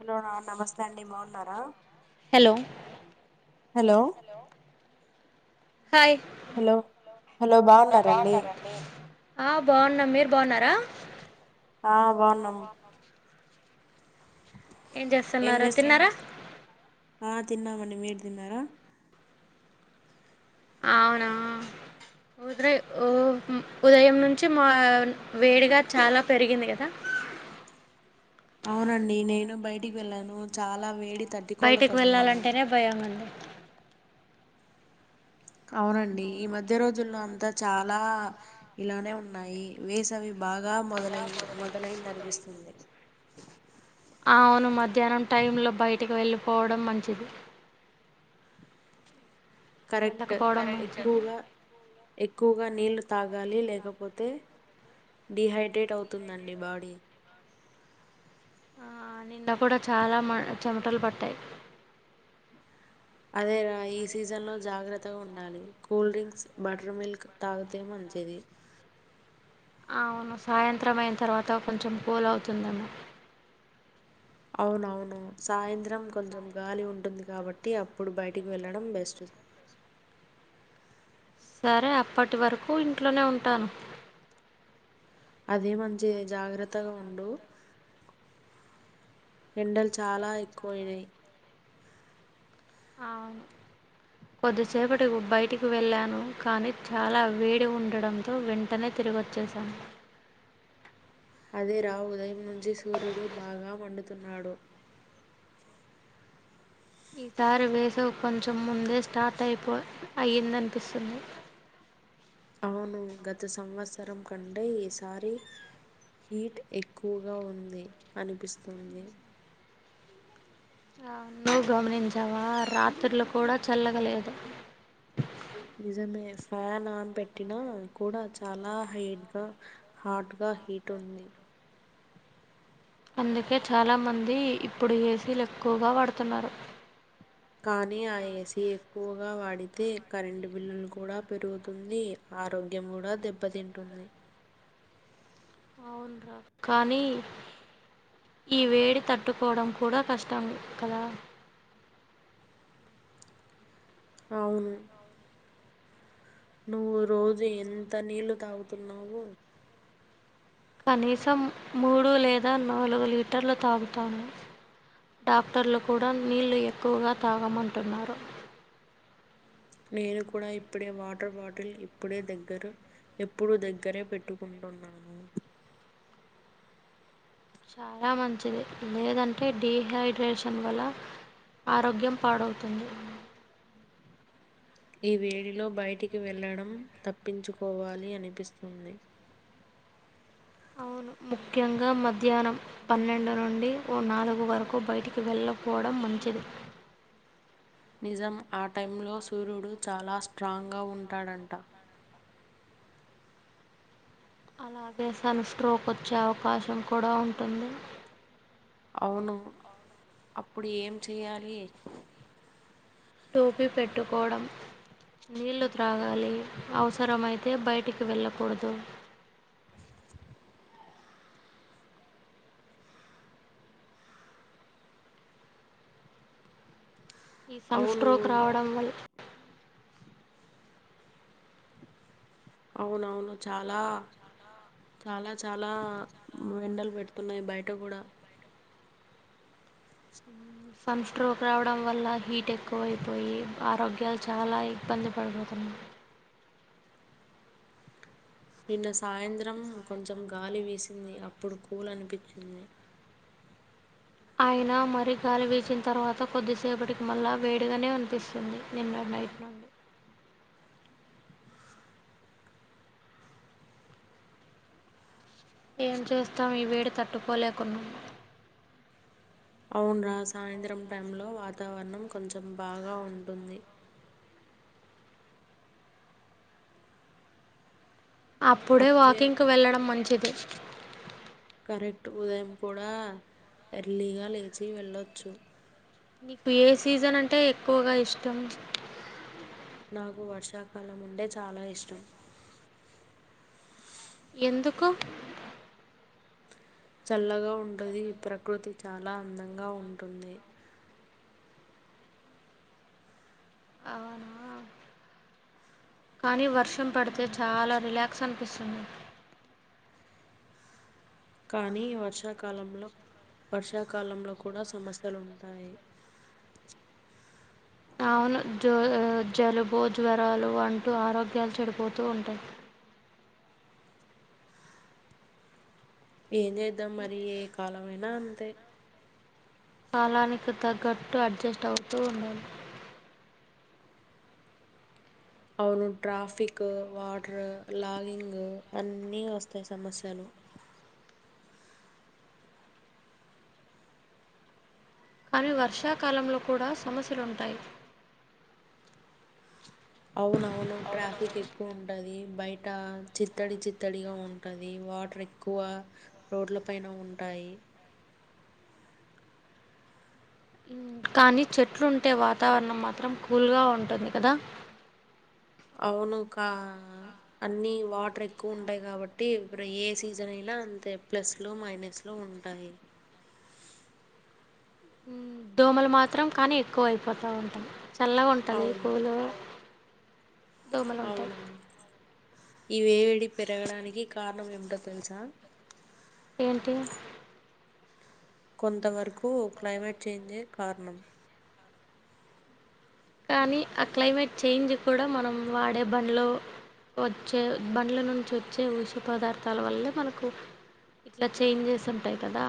హలోనా నమస్తే అండి బాగున్నారా? Hello hello! Hi hello hello బా బాగున్నారండి బాగున్నారా అండి? మీరు బాగున్నారా? న్నా ఆ, బాగున్నాము. ఏం చేస్తున్నారో! తిన్నారా? ఆ, తిన్నామండి. మీరు తిన్నారా? అవునా! ఉదయం ఉదయం నుంచి మార్న్ వేడిగా చాలా పెరిగింది కదా? అవునండి! నేను బయటికి వెళ్ళాను. చాలా వేడి బయటికి తట్టుకోలేకపోయాను వెళ్ళాలంటేనే భయంగ ఉంది. అవునండి, ఈ మధ్య రోజుల్లో అంతా చాలా ఇలానే ఉన్నాయి. వేసవి బాగా మొదలై మొదలైంది అనిపిస్తుంది. అవును, మధ్యాహ్నం టైంలో బయటికి వెళ్ళిపోవడం మంచిది? కరెక్ట్ వెళ్ళకపోవడం మంచిది ఎక్కువగా! ఎక్కువగా నీళ్ళు తాగాలి. లేకపోతే డీ హైడ్రేట్ అవుతుందండి బాడీ. ఆ నిండ కూడా చాలా మ చెమటలు పట్టాయి. అదే రా! ఈ సీజన్ లో జాగ్రత్తగా ఉండాలి. కూల్ డ్రింక్స్ బటర్ మిల్క్ తాగితే మంచిది. అవును! సాయంత్రం అయిన తర్వాత, కొంచెం కూల్ అవుతుందమమో. అవునవును! సాయంత్రం కొంచెం గాలి ఉంటుంది కాబట్టి, అప్పుడు బయటికి వెళ్ళడం బెస్ట్. సరే, అప్పటి వరకు ఇంట్లోనే ఉంటాను. అది మంచి జాగ్రత్తగా ఉండు, ఎండలు చాలా ఎక్కువయినాయి. అవును! కొద్దిసేపటి బయటికి వెళ్ళాను. కానీ చాలా వేడి ఉండడంతో వెంటనే తిరిగిొచ్చసాను. అదే రావు ఉదయం నుంచి సూర్యుడు బాగా మండుతున్నాడు. ఈసారి వేసవి కొంచెం ముందే స్టార్ట్ అయిపో అయిందనిపిస్తుంది. అవును, గత సంవత్సరం కంటే ఈసారి హీట్ ఎక్కువగా ఉంది అనిపిస్తుంది. నువ్వు గమనించావా? రాత్రులు కూడా చల్లగలేదు. నిజమే, ఫ్యాన్ ఆన్ పెట్టినా కూడా చాలా హైట్గా హాట్ గా హీట్ ఉంది. అందుకే చాలా మంది ఇప్పుడు ఏసీలు ఎక్కువగా వాడుతున్నారు. కానీ ఆ ఏసీ ఎక్కువగా వాడితే కరెంటు బిల్లులు కూడా పెరుగుతుంది. ఆరోగ్యం కూడా దెబ్బతింటుంది. అవును రా! కానీ ఈ వేడి తట్టుకోవడం కూడా కష్టం కదా? అవును. నువ్వు రోజు ఎంత నీళ్లు తాగుతున్నావో? కనీసం మూడు లేదా నాలుగు లీటర్లు తాగుతాము. డాక్టర్లు కూడా నీళ్లు ఎక్కువగా తాగమంటున్నారు. నేను కూడా ఇప్పుడే వాటర్ బాటిల్ ఇప్పుడే దగ్గర ఎప్పుడు దగ్గరే పెట్టుకుంటున్నాను. చాలా మంచిది. లేదంటే, డీహైడ్రేషన్ వల్ల ఆరోగ్యం పాడవుతుంది. ఈ వేడిలో బయటికి వెళ్లడం తప్పించుకోవాలి అనిపిస్తుంది. అవును ముఖ్యంగా మధ్యాహ్నం పన్నెండు నుండి ఓ నాలుగు వరకు బయటికి వెళ్ళపోవడం మంచిది నిజం ఆ టై లో సూర్యుడు చాలా స్ట్రాంగ్ గా ఉంటాడంట అలాగే సన్ స్ట్రోక్ వచ్చే అవకాశం కూడా ఉంటుంది అవును అప్పుడు ఏం చేయాలి టోపీ పెట్టుకోవడం నీళ్లు త్రాగాలి అవసరమైతే బయటికి వెళ్ళకూడదు ఈ సన్ అవును స్ట్రోక్ రావడం వల్ల అవునవును చాలా చాలా చాలా ఎండలు పెడుతున్నాయి బయట కూడా సన్ స్ట్రోక్ రావడం వల్ల హీట్ ఎక్కువైపోయి ఆరోగ్యాలు చాలా ఇబ్బంది పడుపోతున్నాయి నిన్న సాయంత్రం కొంచెం గాలి వీసింది అప్పుడు కూల్ అనిపించింది ఆయన మరీ గాలి వీచిన తర్వాత కొద్దిసేపటికి మళ్ళా వేడిగానే అనిపిస్తుంది నిన్న నైట్ నుండి ఏం చేస్తాం ఈ వేడి తట్టుకోలేకున్నాము అవును రా సాయంత్రం టైంలో వాతావరణం కొంచెం బాగా ఉంటుంది అప్పుడే వాకింగ్ కు వెళ్లడం మంచిది ప [unintelligible] కరెక్ట్ ఉదయం కూడా ఎర్లీగా లేచి వెళ్ళచ్చు నీకు ఏ సీజన్ అంటే ఎక్కువగా ఇష్టం నాకు వర్షాకాలం ఉంటే చాలా ఇష్టం ఎందుకు చల్లగా ఉంటుది ఈ ప్రకృతి చాలా అందంగా ఉంటుంది అవునా కానీ వర్షం పడితే చాలా రిలాక్స్ అనిపిస్తుంది కానీ వర్షాకాలంలో వర్షాకాలంలో కూడా సమస్యలుంటాయి అవును జ జలుబు జ్వరాలు అంటూ ఆరోగ్యాలు చెడిపోతూ ఉంటాయి ఏం చేద్దాం మరి ఏ కాలమైనా అంతే కాలానికి తగ్గట్టు అడ్జస్ట్ అవుతూ ఉండాలి అవును ట్రాఫిక్ వాటర్ లాగింగ్ అన్నీ వస్తాయి సమస్యలు కానీ వర్షాకాలంలో కూడా సమస్యలుంటాయి అవునవును ట్రాఫిక్ ఎక్కువ ఉంటది బయ బయట చిత్తడి చిత్తడిగా ఉంటది వాటర్ ఎక్కువ రోడ్ల పైన ఉంటాయి కానీ చెట్లుంటే వాతావరణం మాత్రం కూల్ గా ఉంటది కదా అవును ఒక అన్నీ వాటర్ ఎక్కువ ఉంటాయి కాబట్టి ఇప్పుడు ఏ సీజన్ అయినా అంతే ప్లస్లో మైనస్లో ఉంటాయి దోమలు మాత్రం కానీ ఎక్కువ అయిపోతా ఉంటాయి చల్లగా ఉంటుంది అవును కూలు దోమలు ఉంటాయి అవునవును ఈ వేడి పెరగడానికి కారణం ఏమిటో తెలుసా ఏంటి కొంత వరకు క్లైమేట్ చేంజే కారణం కానీ ఆ క్లైమేట్ చేంజ్ కూడా మనం వాడే బండ్లో వచ్చే బండ్ల నుంచి వచ్చే ఊష పదార్థాల వల్లే మనకు ఇట్లా చేంజెస్ ఉంటాయి కదా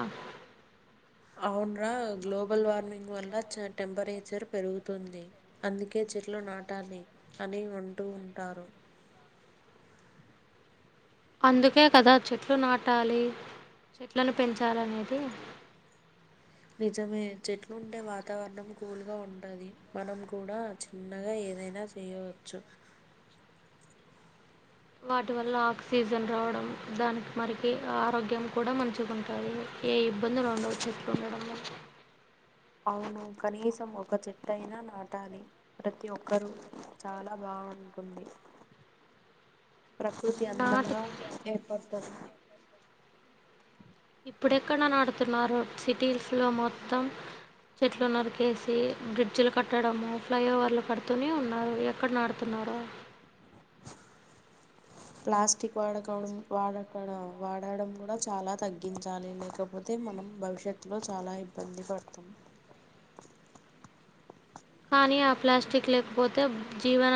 అవున్రా గ్లోబల్ వార్మింగ్ వల్ల టెంపరేచర్ పెరుగుతుంది అందుకే చెట్లు నాటాలి అని అంటూ ఉంటారు అందుకే కదా చెట్లు నాటాలి చెట్లను పెంచాలినేది నిజమే చెట్లు ఉంటే వాతావరణం కూల్గా ఉంటది మనం కూడా చిన్నగా ఏదైనా చేయవచ్చు వాటి వల్ల ఆక్సిజన్ రావడం దానికి మరికి ఆరోగ్యం కూడా మంచిగాంటుంది ఏ ఇబ్బందులు ఉండవు చెట్లు ఉండడం వల్ల అవును కనీసం ఒక చేట్టుయినా నాటాలి ప్రతి ఒక్కరూ చాలా బాగుంటుంది ప్రకృతి నాటు అందంగా ఏర్పడుతది ఇప్పుడు ఎక్కడ నాటుతున్నారు సిటీస్ లో మొత్తం చెట్లు నరికేసి బ్రిడ్జ్లు కట్టడము ఫ్లై ఓవర్లు కడుతూనే ఉన్నారు ఎక్కడ నాటుతున్నారు ప్లాస్టిక్ వాడ కావడం వాడక్కడ వాడడం కూడా చాలా తగ్గించాలి లేకపోతే మనం భవిష్యత్తులో చాలా ఇబ్బంది పడతాం కానీ ఆ ప్లాస్టిక్ లేకపోతే జీవన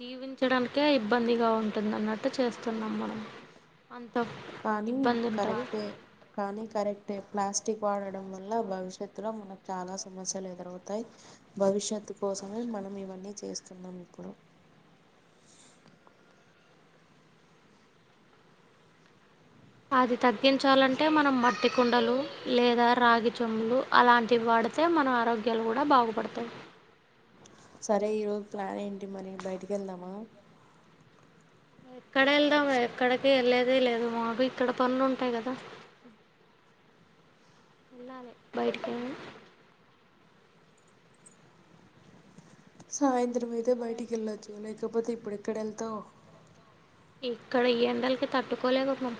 జీవించడానికే ఇబ్బందిగా ఉంటుంది అన్నట్టు చేస్తున్నాం మనం అంత కానీ ఇబ్బంది ఉంటుంది కరెక్టే కానీ కరెక్టే ప్లాస్ టిక్ వాడడం వల్ల భవిష్యత్తులో మనకు చాలా సమస్యలు ఎదురవుతాయి భవిష్యత్తు కోసమే మనం ఇవన్నీ చేస్తున్నాం ఇప్పుడు అది తగ్గించాలంటే మనం మట్టి కుండలు లేదా రాగిచొమ్ములు అలాంటివి వాడితే మన ఆరోగ్యాలు కూడా బాగుపడతాయి సరే ఈరోజు ప్లాన్ ఏంటి మరి బయటికి వెళ్దామా ఎక్కడ వెళ్దాం ఎక్కడికి వెళ్ళేది లేదు మాకు ఇక్కడ పన్నులు ఉంటాయి కదా వెళ్లాలా బయటకి సాయంత్రం అయితే బయటికి వెళ్ళొచ్చు లేకపోతే ఇప్పుడెక్కడ వెళ్తావ్ ఇక్కడ ఈ ఎండలకి తట్టుకోలేపోతనం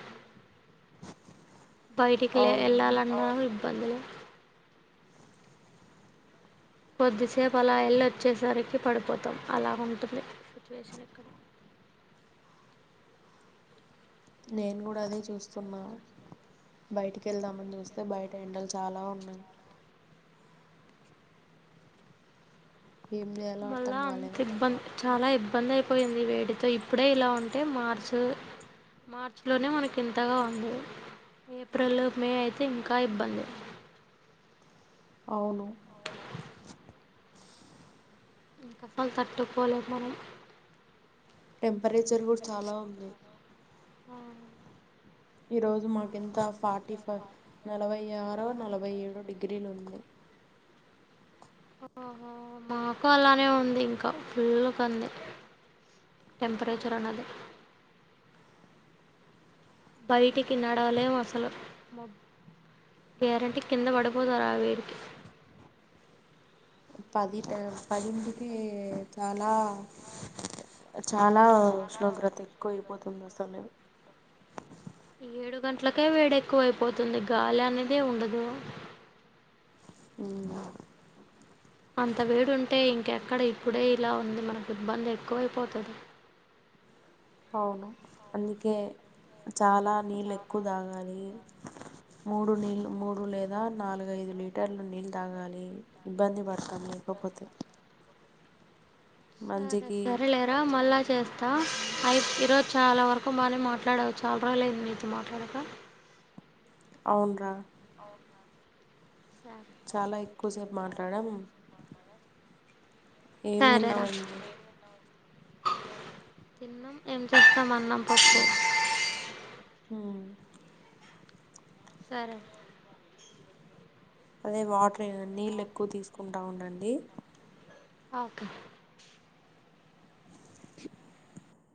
బయటికిలే అవును ఎలాలన్న పంద్ లో కొద్దిసేపు అలా ఎల్లీ వచ్చేసరికి పడిపోతాం అలా ఉంటుంది సిట్యుయేషన్ ఇక్కడ నేను కూడా అదే చూస్తున్నా బయటికి వెళ్దామని చూస్తే బయట ఎండలు చాలా ఉన్నాయి ఏం చేయాలో అర్థం మళ్ళా కాలే అంత ఇబ్బం చాలా ఇబ్బంది అయిపోయింది వేటితో ఇప్పుడే ఇలా ఉంటే మార్చ్ మార్చ్ లోనే మనకి ఇంతగా ఉంది ఏప్రిల్ మే అయితే ఇంకా ఇబ్బంది అవును అవునా ఇంక అసల్ తట్టుకోలేమ్ మనం టెంపరేచర్ కూడా చాలా ఉంది ఆ ఈ రోజు మాకింత ఫార్టీ ఫై నలభై ఆరో నలభై ఏడు డిగ్రీలు ఉంది ఆహో మాకు అలానే ఉంది ఇంకా ఫుల్ క అంది టెంపరేచర్ అన్నది బయటి కి నడవలేేం అసలు గ్యారెంటీ కింద పడిపోతారు ఆ వీడికి పది పదింటికి చాలా చాలా లా ఉష్ణోగ్రత ఎక్కువ అయిపోతుంది అసలే ఏడు గంటలకే వేడి ఎక్కువైపోతుంది గాలి అనేదే ఉండదు హ్మ్ అంత వేడుంటే ఇంకెక్కడ ఇప్పుడే ఇలా ఉంది మనకు ఇబ్బంది ఎక్కువైపోతది అవును అందుకే చాలా నీళ్ళు ఎక్కువ తాగాలి మూడు నీళ్ళు మూడు లేదా నాలుగఐదు లీటర్లు నీళ్ళు తాగాలి ఇబ్బంది పడ్ కనీ లేకపోతే సరే మంచికి సరేలేరా మళ్ళా చేస్ తా అయి ఈరోజు చాలా వరకు బానే మాట్లాడవు చాలా రోజులు అయింది నితో మాట్లాడక అవున్ రా సరే చాలా ఎక్కువ సేపు మాట్లాడం ఏం సరేరా తిన్నావంది తిన్నాం ఏం చేస్తామ్ అన్నం పప్పు మ్మ్ సరే అదే వాట్ న్ని నీళ్ళు ఎక్కువ తీసుకుంట్ అవును అండి ఓకే